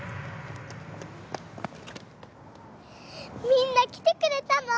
みんな来てくれたの？